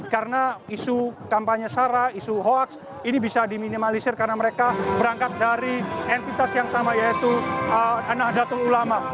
karena isu kampanye syara isu hoaks ini bisa diminimalisir karena mereka berangkat dari entitas yang sama yaitu nah datul ulama